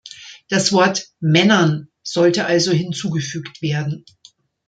Das Wort "Männern" sollte also hinzugefügt werden.